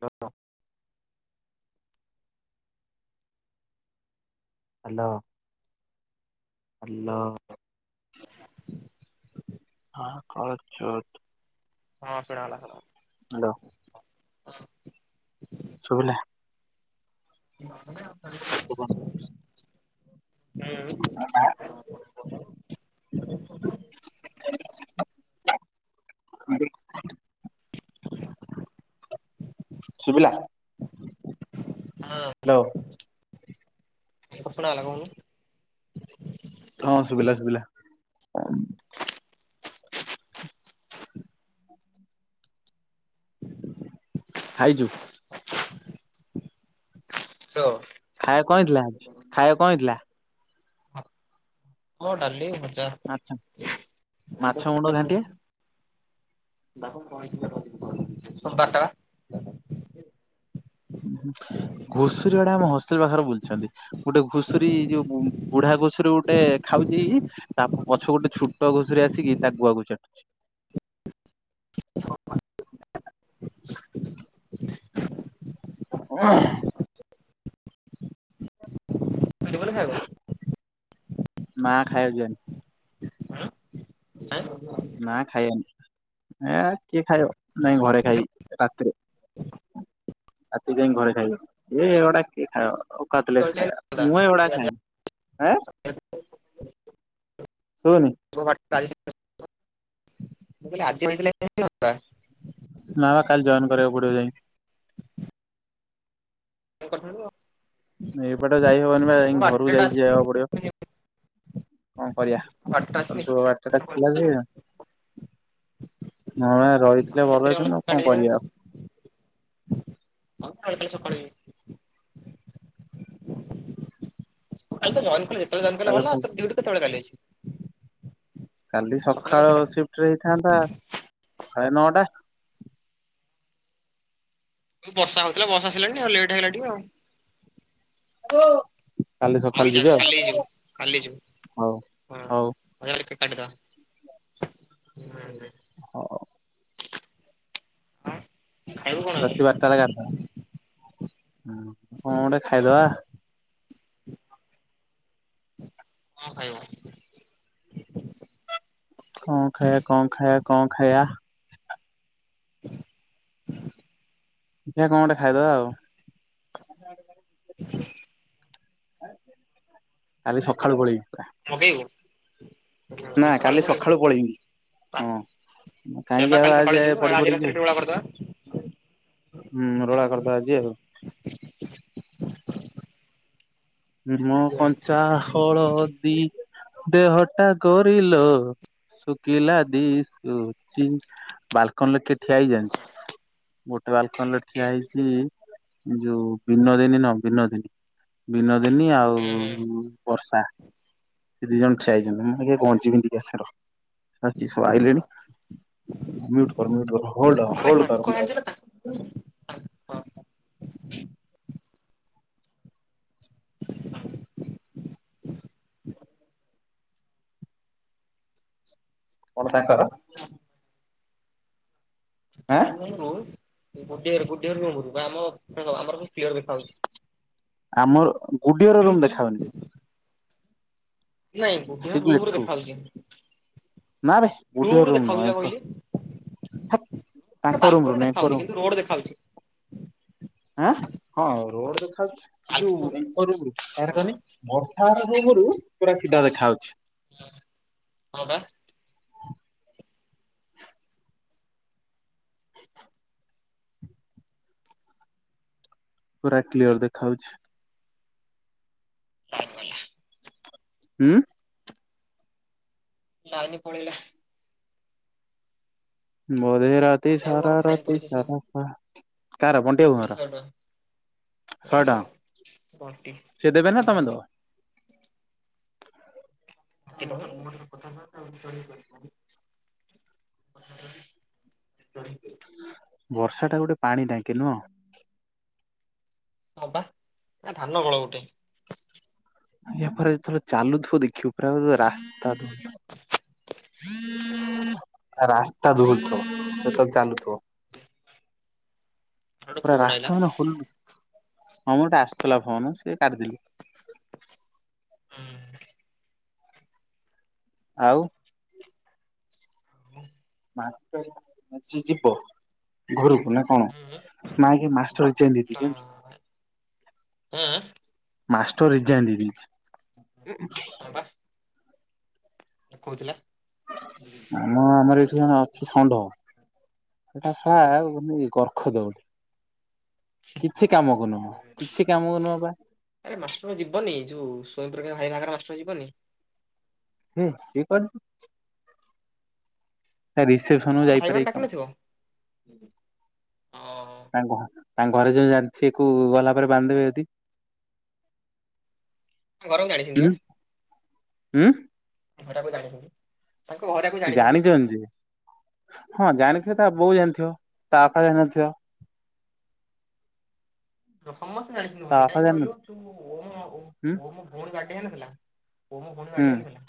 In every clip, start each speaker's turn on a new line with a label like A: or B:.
A: ହଁ ଅ। Hello hello.
B: ହ [unintelligible]
A: ହଁ କଳ ଚ।
B: ହଁ ଶୁଣା ଗଲା ଭଲ।
A: ହ୍ୟାଲୋ। ଶୁଭିଲା?
B: [unintelligible] ହୁଁ
A: [unintelligible] [unintelligible] ଶୁଭିଲା।
B: ହଁ।
A: ହ୍ୟାଲୋ।
B: ହଁ ଶୁଣା ଆଲା କହୁନୁ।
A: ହଁ ଶୁଭିଲା ଶୁଭିଲା। ଖାଇଛୁ।
B: ଲୋ।
A: ଖାଇବା କଣ ଥିଲା? ଖାଇବା କଣ ହେଇଥିଲା?
B: ମଁ ଡାଲି ଭଜା।
A: ଆଚ୍ଛା
B: ସୋମବାର
A: ମାଛ ମୁଣ୍ଡ ଘଣ୍ଟିଆ।
B: ସୋମବାରଟା ବା।
A: ଘୁଷୁରୀ ବାଡେ ଆମ ହଷ୍ଟେଲ ପାଖରେ ବୁଲଛନ୍ତି। ଗୋଟେ ଘୁଷୁରୀ ଯୋଉ ବୁଢା ଘୁଷୁରୀ ଗୋଟେ ଖାଉଛି। ତା ପଛକୁ ଗୋଟେ ଛୋଟ ଘୁଷୁରୀ ଆସିକି ତା ଗୁଆକୁ ଚାଟୁଛି। ହଁ।
B: ଯିବନି ଖାଇବାକୁ।
A: ମା ଖାଇବାକୁ ଯିବାନି।
B: ଚାଁ।
A: ନା ଖାଇଏନି କିଏ ଖାଇବ। ନାଇଁ ଘରେ ଖାଇବି ରାତିରେ। ରାତି ଯାଇ ଘରେ ଖାଇବ। ଏ ଗଡା କିଏ ଖାଇବ? କତଲେସ ଖାଇବା ମୁଁ ଏଇଗୁଡା ଖାଏନି। ଏଁ। ଶୁଭୁନି।
B: [unintelligible] ମୁଁ କହିଲି ଆଜି ହେଇଥିଲେ ହେଇନଥାନ୍ତା।
A: ନା ବା କାଲି ଜଏନ୍ କରିବାକୁ ପଡିବ ଯାଇଁ।
B: କରିଥିଲୁ।
A: ଏଇପଟା ଯାଇ ହବନି ବା ଯାଇଁକି ଘରୁକୁ ଯାଇଁକି ଯିବାକୁ ପଡିବ। କଣ କରିବା? ଆ କାଲି ସବୁ ବାଟ ଟା ଥିଲା ଯେ ହଁ ପା ରହିଥିଲେ ଭଲ ହେଇଥାନ୍ତା। ଆଉ କଣ କରିବା ଆଉ?
B: ହଁ ଖାଇଥିଲି ସକଳେ। କାଲି ତ ଜଏନ କଲେ ଯେତେବେଳେ
A: ଆଉ
B: ହେଲା
A: ଆଉ
B: ତ ଡିଉଟି କେତେବେଳେ ଅଛି?
A: କାଲି ସକାଳ ସିଫ୍ଟରେ ହେଇଥାନ୍ତା। ସକାଳେ ନଅଟା।
B: ଉ ବର୍ଷା ହୋଉଥିଲା ବଷା ଆସିଲାଣି ଆଉ ଲେଟେ ହେଇଗଲା ଟିକ ଆଉ।
A: କାଲି
B: ହଉ
A: ସକାଳ
B: ଯା
A: ଯିବେ ଆଉ।
B: କାଲି ଯିବୁ
A: ହଉ ହଉ।
B: ଅର କେ କାଟି ଦବା।
A: ହଉ।
B: ହଁ।
A: ରାତି ବାରଟା ବେଳେ କାଟି ଦବା। କଣ ଗୋଟେ ଖାଇଦବା?
B: କଣ ଖାଇବ?
A: କଣ ଖାଇଆ କଣ ଖାଇଆ କଣ ଖାଇଆ?
B: [unintelligible]
A: ଦେଖିଆ କଣ ଗୋଟେ ଖାଇଦବା ଆଉ। [unintelligible]
B: [unintelligible]
A: କାଲି ସକାଳୁ ପଳେଇବି।
B: ମଗେଇବୁ
A: ନା କାଲି ସକାଳୁ ପଳେଇମି।
B: ବା
A: ହଁ
B: ସେ ବା
A: କାହିଁକି
B: କାଲି
A: ଆଉ ଆଜି
B: ସକାଳୁ ଯିବୁ
A: ଯାଏ ପଡି ପଡି
B: ରାତିରେ
A: ଯିବି।
B: ଠୁଳା କରିଦବା।
A: ହୁଁ ରଳା କରିଦବା ଆଜି ଆଉ। ହୁଁ ମୋ କଞ୍ଚା ହଳଦି ଦେହଟା ଗୋରିଲୋ। ଶୁଖିଲା ଦିସୁଚି ବାଲକୁନି ରେ କିଏ। ଠିଆ ହେଇଚି ଯାଣିଛୁ ଗୋଟେ ବାଲକୁନି ରେ ଠିଆ ହେଇଛି। ଯୋଉ ବିନୋଦିନୀ ନୁଅ ବିନୋଦିନୀ ବିନୋଦିନୀ ଆଉ ବର୍ଷା। ସେ ଦି ଜଣ ଠିଆ ହେଇଚନ୍ତି ମୁଁ ଟିକେ ଗଞି ପିନ୍ଧି କି ଆସେ ର। ସଳା କିଏ ସବୁ ଆଇିଲେଣି ମ୍ୟୁଟ କର ମ୍ୟୁଟ କର ହୋଲଡ ହୋ
B: ଆବେ
A: ହୋଲଡ
B: ତାଙ୍କ
A: କର ମୁଁ
B: ଜାଣିଛୁ
A: ଯାଉ।
B: [unintelligible] [unintelligible]
A: କଣ ତାଙ୍କର? ଆଁ
B: ରୁମ ରୁ ଗୁଡି ଘର ଗୁଡି ଘର ରୁମୁରୁ ଆମର ସବୁ କ୍ଲିୟର ଦେଖାଯାଉଛି।
A: ଆମର ଗୁଡି ଘର ରୁମ୍ ଦେଖା ହଉନି ବେ।
B: ନାଇଁ ଗୁଡ଼ି
A: ସେ
B: ଘର
A: ଯୋଉ
B: ରୁମୁ ରୁ
A: ଏଠୁ
B: ଦେଖା ହଉଛି।
A: ନାବେ ଗୁଡି ଘର ରୁମ୍ ନୁହେଁ
B: ଦେଖାଯାଉଛି ବା
A: ଏଙ୍କ।
B: କହିଲି
A: ହେକ୍
B: ମାନେ
A: ତାଙ୍କ ରୁମ୍
B: ବାଲକୋନି
A: ରୁ ନୁହେଁ ଆଙ୍କ
B: ଦେଖାଯାଉନି
A: ରୁମ୍।
B: କିନ୍ତୁ ରୋଡ ଦେଖାଯାଉଛି।
A: ଆଁ ହଁ ରୋଡ ଦେଖା ହଉଛି। ଏ ଯୋଉ
B: ବାଲକୋନି
A: ଏଙ୍କ ରୂମୁରୁ କାହାର
B: ହଁ
A: କହନି ବର୍ଷା ଘର ରୂମୁରୁ ପୁରା ସିଧା ଦେଖା ଯାଉଛି।
B: ହୁଁ ହଁ ବା।
A: [unintelligible] ପୁରା କ୍ଲିଅର ଦେଖା ହଉଛି।
B: ଲାଇନ ଗଲା।
A: ଉଁ।
B: ଲାଇନ ପଳେଇିଲା।
A: ବୋଧେ
B: ଘଣ୍ଟାକୁ ମୋର
A: ରାତିସାରା
B: ଫାଇନ୍ ପଡିଛି ଶହେ
A: ରାତିସାର କାହା କାହାର ବଣ୍ଟି ବବୁ ଙ୍କର?
B: ଉଁ ବଣ୍ଟି
A: ସିଏ ଦେବେ ନା ତମେ
B: ହୁଁ।
A: ଦବ?
B: [unintelligible]
A: ବର୍ଷା ଟା ଗୋଟେ ପାଣି ଟାକି ନୁହଁ?
B: ହଁ ବା ପୁରା ଧାନ କଳ ଗୋଟେ।
A: ଇଆ ପରେ ଯେତେବେଳେ ଚାଲୁଥିବ ଦେଖିବୁ ପୁରା ରାସ୍ତା ଦୋହ [unintelligible] ରାସ୍ତା ଦୋହଲୁ ଥବ ସେତେବେଳେ। ଚାଲୁଥିବ
B: ଗୋଟେ
A: ପୁରା
B: ଫୋନ୍ ଆଇଲା।
A: ରାସ୍ତା ମାନେ ହଲୁ ହଁ ମ ଗୋଟା ଆସୁଥିଲା ଫୋନ ସେ କାଟି ଦେଲି।
B: ହୁଁ।
A: ଆଉ?
B: [unintelligible]
A: ମାଷ୍ଟର ଆଜି ଯିବ ଘରକୁ ନା ହଁ! ! ! ! ! ! ! ! ! ! ମାଷ୍ଟର ରିଜାଇନ ଦେଇ ଦେଇଛି
B: ନା
A: ଜାଣୀଛୁ।
B: ଉଁ
A: ମାଷ୍ଟର ରିଯାଇନ୍ ଦେଇ ଦେଇଛି।
B: ଦେଖୋଉଥିଲା।
A: ଆମ ଆମର ଏଠି ଜଣେ ଅଛି ଷଣ୍ଢ ସେଟା ସଳା ଓନଲି କର୍ଖ ଦଉଡି। କିଛି କାମକୁ ନୁହଁ କିଛି କାମକୁ ନୁହଁ ବା।
B: ଆରେ ମାଷ୍ଟର ଯିବନି ଯୋଉ ସୋଇମ୍ ପ୍ରକାସ ଭାଇ ବାହା ଘର ମାଷ୍ଟର ଯିବନି।
A: ହେ ସେ କୁଆଡେ ଜେ ତା ରିସେପସନ କୁ
B: ଆଉ ଭାଇ
A: ଯାଇପାରେ
B: ବାହାଘର
A: କି
B: ଡାକି
A: କଣ
B: ନଥିବ? ଓହୋ
A: ତାଙ୍କ ଘ ତାଙ୍କ ଘରେ ଯୋଦି ଜାଣିଥିବେ କୋଉ ଗଲା ପରେ ବାନ୍ଧି ଦେବେ ଯଦି।
B: ତାଙ୍କ ଘରେ ଜାଣିଛନ୍ତି ବା।
A: ଉଁ।
B: ଝିଅ ଟାକୁ ଜାଣିଛନ୍ତି। ତାଙ୍କ ଘରା ଆକୁ।
A: ଜାଣିଛନ୍ତି ଯେ ହଁ ଜାଣିଥିବେ ତା ବୋଉ ଜାଣିଥିବ ତା ବାପା ଜାଣିିନଥିବ।
B: ସମସ୍ତେ ଜାଲିଛନ୍ତି
A: ତା
B: ମୋତେ
A: ବାପା
B: କାହିଁକି
A: ଜାଣିନଥିବ
B: କହିଲୁ ଓମ୍
A: ହୁଁ
B: ଓମ୍ ଭଉଣୀ ବାଡେ ହେଇ ନଥିଲା। ଓମ୍ ଭଉଣୀ
A: ହୁଁ
B: ବାଡେଇ ବାକୁ ଧଇଲା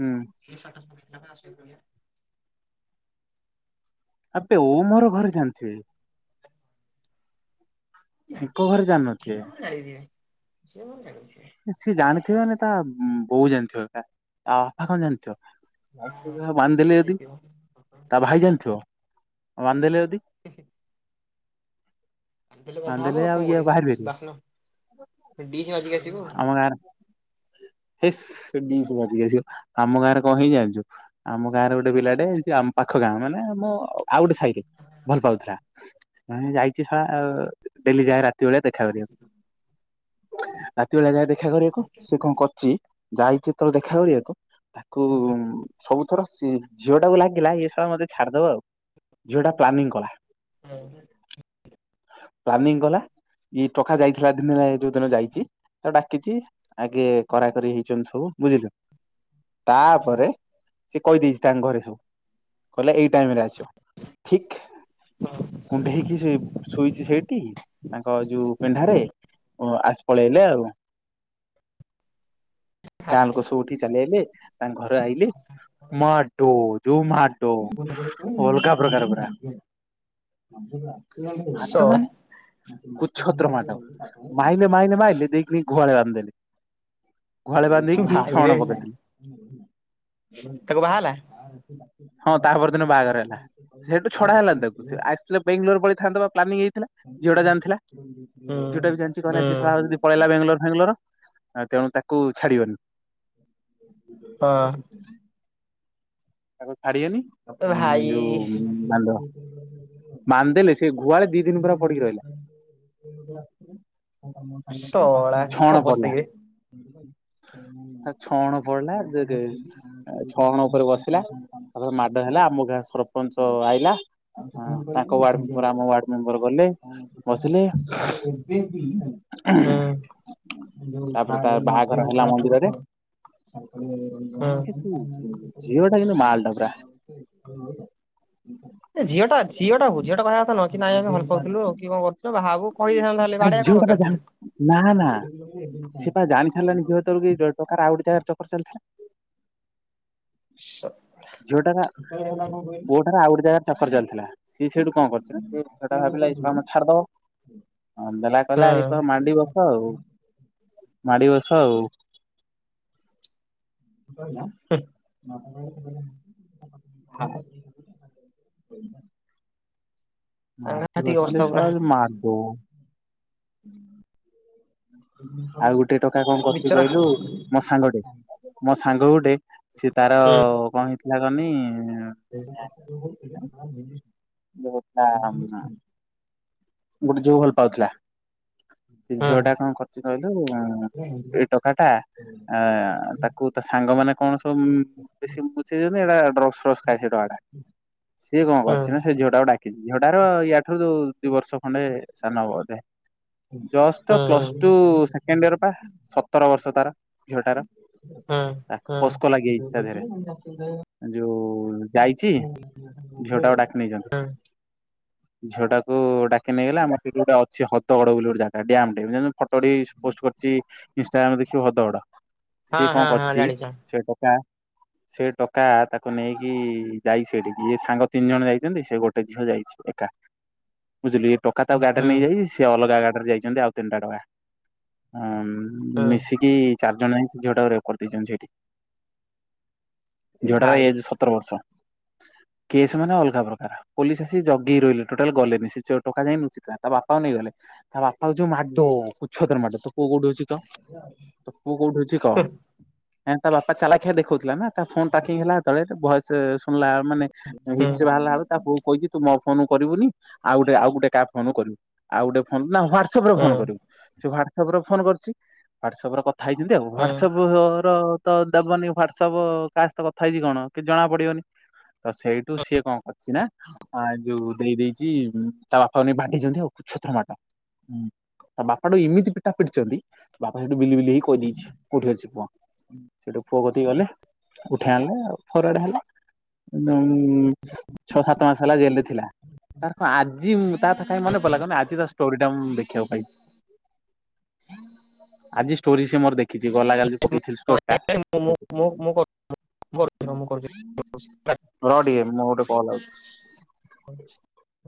A: ହୁଁ
B: ଷ୍ଟାଟସ ପକେଇଥିଲା ତା ସହିତ।
A: ଆବେ ଓମ୍ ଘରେ ଜାଣିଥିବେ। ଆଙ୍କ ଘରେ ଜାଣିନଥିବେ?
B: ଖାଇଦିଏ ସିଏ ମୁଁ ଜାଣିଛି।
A: ସିଏ ଜାଣିଥିବେ ନା ତା ବୋଉ ଜାଣିଥିବ ଏକା ବାପା କଣ
B: ହଁ
A: ଜାଣିଥିବ? ବାନ୍ଧି ଦେଲି
B: ସେଇଆ
A: ଯଦି
B: ହେଇଥିବ।
A: ତା ଭାଇ ଜାଣିଥିବ? ବାନ୍ଧିଦେଲେ ଯଦି।
B: ନ ଦେଲେ ବନ୍ଧାହେବ
A: ବାନ୍ଧିଦେଲେ
B: ଆଉ କଣ
A: ଇଏ
B: କରିବା
A: ବାହାରି
B: କୋଣ
A: ପାରିବ
B: ବାସ୍ନ ଡିଜେ ମାଜିକି ଆସ୍
A: ଆମ ଗାଁରେ ହେସ୍ ସେଡିସ୍ ମାଜିକି ଆସିବ ଆମ ଗାଁରେ କଣ ହେଇଚି ଜାଣିଛୁ। ଆମ ଗାଁରେ ଗୋଟେ ପିଲାଟେ ଆମ ପାଖ ଗାଁ ମାନେ ଆମ ଆଉ ଗୋଟେ ସାଇରେ ଭଲ ପାଉଥିଲା ମାନେ ଯାଇଛି ସଳା ଅ ଡେଲି ଯାଏ ରାତ୍ ସେଇଭଳିଆ ଦେଖା କରିବ। ରାତି ବେଳେ ଯାଏ ଦେଖା କରିବାକୁ ସେ କଣ କରିଛି ଯାଇଚି ଯେତେବେଳେ ଦେଖା କରିବାକୁ। ତାକୁ ସବୁଥର ସି ଝିଅ ଟାକୁ ଲାଗିଲା ଇଏ ସା ମତେ ଛାଡିଦବା ଆଉ। ଝିଅଟା ପ୍ଲାନିଙ୍ଗ କଲା।
B: ହଁ।
A: ପ୍ଲାନିଙ୍ଗ କଲା ଇ ଟକା ଯାଇଥିଲା ଦିନେ ଯୋଉ ଦିନ ଯାଇଛି। ତ ଡାକିଚି ଆଗେ କରାକରି ହେଇଛନ୍ତି ସବୁ ବୁଝିଲେ। ତାପରେ ସେ କହିଦେଇଛି ତାଙ୍କ ଘରେ ସବୁ କହିଲେ ଏଇ ଟାଇମ ରେ ଆସ ଠିକ୍। କୁଣ୍ଢେଇକି ସେ ଶୋଇଛି ସେଇଠି ତାଙ୍କ ଯୋଉ ପିଣ୍ଢାରେ। ଓ ଆସ ପଳେଇଲା ଆଉ। ଗାଁ ଲୋକ ସବୁଉଠିକି ଚାଲି ଆଇଲେ ତାଙ୍କ ଘର ଆଇଲେ। ମାଡୋ ଯୋଉ ମାଡୋ ଅଲଗା ପ୍ରକାର ପୁରା।
B: [unintelligible]
A: ମାଡ
B: ସଳା
A: ମାନେ କୁଛତ୍ର
B: [unintelligible]
A: ପିଟିକି ଗୁହାଳେ ବାନ୍ଧିଦେଲେ। ଗୁହାଳେ
B: ସେ
A: ବାନ୍ଧିକି ଛଣ
B: ଭାଇରେ
A: ପକେଇଦେଲେ
B: ତାକୁ ବାହା ହେଲା?
A: ହଁ ତାପରଦିନ ବାହାଘର ହେଲା ସେଇଠୁ ଛଡ଼ା ହେଲା ତାକୁ ଆସି ଥିଲେ ବେଙ୍ଗାଲୋର ପଳେଇଥାନ୍ତତା ବା ପିଲାନିଙ୍କ୍ ହେଇଥିଲା। ଝିଅଟା ଜାଣିଥିଲା ଝିଅଟା ବି ଜାଣିଛି କହିଲା ସେ ସଳା ଯଦି ପଳେଇଲା ବାଙ୍ଗଲୋର ଫାଙ୍ଗଲୋର। ଆ ତେଣୁ ତାକୁ ଛାଡି଼ବାନି।
B: ହଁ।
A: ତାକୁ ଛାଡିଏନି। ସେ ଯୋଉ
B: ଭାଇ।
A: ବାଣ୍ଡ ମାନନ୍ଦେଲେ ସେ ଗୁଆଳେ ଦି ଦିନ ପରା ପଡିକି ରହିଲା।
B: ସଳା କି
A: ଛଣ
B: ଅବସ୍ଥା
A: ପଡିଲା
B: କିରେ।
A: ଛଣ ପଡିଲା
B: [unintelligible]
A: ଡହେଲା ଆମ ଗାଁ ସରଫ୍ ସରପଞ୍ଚ ଆଇଲା ତାଙ୍କ ୱାର୍ଡ ମେମ୍ବର ଆମ ୱାର୍ ମେମ୍ବର ଗଲେ ବସିଲେ।
B: [unintelligible]
A: ତାପରେ ତା ବାହାଘର ହେଲା ମନ୍ଦିରରେ
B: ହୁଁ [unintelligible]
A: ଝିଅ ଟା କିନ୍ତୁ ମାଲଟା ପୁରା
B: [unintelligible] ଏ ଝିଅ ଟା ଝିଅଟା ଝିଅ ଟା କହିବା କଥା ନୁହଁ, କି ନାଇଁ ଆମେ ଭଲ ପାଉଥିଲୁ କି କଣ କରୁ ସେ ବାହା କହିଦେଇଥାନ୍ତା ହେଲେ
A: ଆରେ ଝିଅ
B: ବାଡ଼େଇବା କଣ
A: ଟା ବା
B: କରକାର
A: ଜାଣି
B: ଥିଲା।
A: ନା ନା ତାଙ୍କର ଆଉ ଗୋଟେ ଜାଗାରେ ଚକର ଚାଲିଥିଲା।
B: ସ୍ ହେତବେଳୁ ହେଲା କଣ ଖାଇନୁ।
A: ତାର ଆଉ ଗୋଟେ ଜାଗାରେ ଚକର ଚାଲିଥିଲା। ସିଏ ସେଠୁ କଣ କରିଚି ନା ସେ ଝିଅ ଟା ଭାବିଲା ଏ ଶଳା ମତେ ଛାଡିଦବ।
B: ହୁଁ।
A: ହଁ ଦେଲା କହିଲା ଏଇ ତ ମାଣ୍ଡି ବସ ଆଉ ମାଡ଼ି ବସ ଆଉ।
B: କହିଲା। [unintelligible]
A: ମାଟି
B: ସାଂଘାତିକ ଅବସ୍ଥା
A: ବସିଲେ
B: ପୁରା
A: ସଳା ମାଡୋ। ଆଉ ଗୋଟେ ଟୋକା କଣ କରୁଛି
B: ବିଚରା।
A: କହିଲୁ ମୋ ସାଙ୍ଗଟେ ମୋ ସାଙ୍ଗ ଗୋଟେ ସେ ତାର
B: ହୁଁ।
A: କଣ ହେଇଥିଲା କହନି,
B: [unintelligible]
A: ବହୁତା ଆମନା, [unintelligible] [inaudible] ଗୋଟେ ଝିଅକୁ ଭଲ ପାଉଥିଲା। ସେ ଝିଅ ଟା କ କରିଛି କହିଲୁ।
B: ହୁଁ
A: ଏଇ ଟଙ୍କ ଟା, ଆ ତାକୁ ତ ସାଙ୍ଗ ମାନେ କଣ ସବୁ, [unintelligible] ଏଇଟା ଡ୍ରକ୍ସ୍ ଫରସ୍ ଖାଏ ସେଇଟୋକାଟା ସେ କଣ କରିଛି ନା ସେ ଝିଅଟାକୁ ଡାକ୍ ସେ ଝିଅ ୟା ଠୁ ଦି ବର୍ଷ ଖଣ୍ଡେ ସାନ ହବ ବଧେ। ଜଷ୍ଟ
B: ହୁଁ
A: ପ୍ଲସ ଟୁ
B: ହୁଁ।
A: ସେକେଣ୍ଡ ଇୟର ପା ସତର ବର୍ଷ ତାର ଝିଅଟାର।
B: ହୁଁ
A: ତା
B: ହୁଁ।
A: ପୋସ୍କୋ ଲାଗିଯାଇଚି
B: ଯୋଉ
A: ତା
B: କହିଥିଲି
A: ଦିହରେ
B: ମୁଁ ଜାଣିଥିଲି ଯେ
A: ଯୋଉ ଯାଇଚି ଝିଅ ଟାକୁ
B: ହେଇଗଲା।
A: ଡାକି ନେଇଛନ୍ତି।
B: ହୁଁ
A: ଝିଅ ଟାକୁ ଡାକି ନେଇଗଲେ ଆମ ସେଇଠି ଗୋଟେ ଅଛି ହଦଗଡ ବୋଲି ଗୋଟେ ଜାଗା ଡ୍ୟାମ ଟେ ଯେ ଫଟୋ ଟି ପୋଷ୍ଟ କରିଛି ଇଷ୍ଟାଗ୍ରାମରେ ଦେଖିବୁ ହଦଗଡ। ସିଏ
B: ହଁ
A: କଣ
B: ହଁ ହଁ
A: କରିଛି,
B: ଜାଣିଛ
A: ସେ ଟୋକା ସେ ଟୋକା ତାକୁ ନେଇକି ଯାଇଚି ସେଠିକି, ଇଏ ସାଙ୍ଗ ତିନି ଜଣ ଯାଇଛନ୍ତି। ସେ ଗୋଟେ ଝିଅ ଯାଇ ଏକା। ବୁଝିଲୁ ଏ ଟୋକା ତାକୁ ଗାଡି ରେ
B: ହୁଁ
A: ନେଇଯାଇଛି। ସେ ଅଲଗା ଗାଡି ରେ ଯାଇଛନ୍ତି ଆଉ ତିନିଟା ଟୋକା। ହଁ
B: ହୁଁ
A: ମିଶିକି ଚାରି ଜଣ ଜାଙ୍କେ ସେ ଝିଅଟାକୁ ରେପ୍ କରିଦେଇଛନ୍ତି ସେଇଠି।
B: ଏ
A: ଝିଅଟାର
B: ଭାଇ
A: ଏଜ୍ ସ ସତର ବର୍ଷ, କେସ୍ ମାନେ ଅଲଗା ପ୍ରକାର ପୋଲିସ ଆସି ଜଗିକି ରହିଲେ ଟୋଟାଲ ଗଲେନି ସେ ସେ ଟୋକା ଯାଇକି ଲୁଚିଥିଲା। ତା ବାପାକୁ ନେଇଗଲେ ତା ବାପାକୁ ଯୋଉ ମାଡ କୁଛତ୍ର ମାଡ ପୁଅ କୋଉଠି ଅଛି କହ। ତୋ ପୁଅ କୋଉଠି ଅଛି କହ ତା ବାପା ଚାଲାଖିଆ ଦେଖଉଥିଲା ନା। ତା ଫୋନ ଟ୍ରାକିଙ୍ଗ ହେଲା ଯେତେଳେ ଭଏସ ଶୁଣିଲା ମାନେ
B: ହୁଁ।
A: ହିଷ୍ଟ୍ରି ବାହାରିଲା ବେଳୁ ତା ପୁ ଅ କୁ କହିଛି ତୁ ମୋ ଫୋନକୁ କରିବୁନି। ଆଉ ଗୋଟେ ଆଉ ଗୋଟେ କାହା ଫୋନକୁ କରିବୁ ଆଉ ଗୋଟେ ଫୋନ ନା ହ୍ୱା ହ୍ୱାଟସପରେ
B: ହୁଁ
A: ଫୋନ କହିବୁ। ସେ ହ୍ୱାଟସ ଅପରେ ଫୋନ୍ କରିଛି ହ୍ଵାଟସଆପ ରେ କ କଥା ହେଉଛନ୍ତି ଆଉ
B: ହୁଁ
A: ହ୍ଵାଟସପ୍ ପ୍ ର ତ ଦବନି ହ୍ୱାଟସଆପ୍ କାହା ସହିତ କଥା ହେଇଛି କଣ, କିଛି ଜଣା ପଡିବନି। ତ ସେଇଠୁ ସିଏ କଣ କରିଛି, ନା ଅ ଯୋଉ ଦେଇ ଦେଇ କି ତା ବାପାକୁ ବି ବଡେଇଛନ୍ତି ଆଉ କୁଛତ୍ର ମାଡ। ହୁଁ ତା ବାପାକୁ ଏମିତି ପିଟା ପିଟିଛନ୍ତି। ବାପା ସେଇଠୁ ବିଲି ବିଲି ହେଇ କହିଦେଇଛି କୋଉଠି ଅଛି ପୁଅ ସେଇଠୁ ପୁଅ କତିକି ଗଲେ। ଉଠେଇ ଆଣିଲେ ଫରୱଡ ହେଲା। ଉଁ ଛଅ ସାତ ମାସ ହେଲା ଜେଲ ରେ ଥିଲା। ହଁ ଆଜି ତା କଥା କାଇଁ ମନେ ପଡ଼ିଲା କନି ଆଜି ଜସ ଷ୍ଟୋରି ଟା ମୁଁ ଦେଖିବାକୁ ପାଇ ଆଜି ଷ୍ଟୋରି ସି ମୋର ଦେ କିଛି ଗଲା ଜାଲି ପକେଇଥିଲି ଷ୍ଟୋର ଟା
B: ମୁଁ ମୁଁ ମୁଁ ମୁଁ [unintelligible]
A: ରହ ଟିକେ ମୋର ଗୋଟେ କଲ ଆଉଚି।
B: ଧନ୍ୟ [unintelligible]